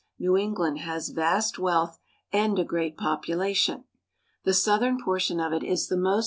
New England has vast wealth and a great population. The southern portion of it is the most MANUFACTURES.